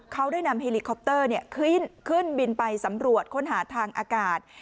เขาได้นำเฮลิคอปเตอร์ขึ้นบินไปสำรวจค้นหาทางอากาศ